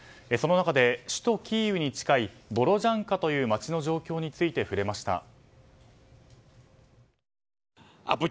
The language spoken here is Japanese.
その中で首都キーウに近いボロジャンカという街の状況について触れました。